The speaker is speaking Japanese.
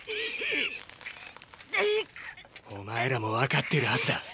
お前らもわかっているハズだ。